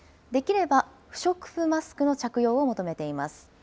できれば、不織布マスクの着用を求めています。